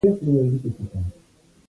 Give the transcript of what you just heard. مقدس سړی راته راغی.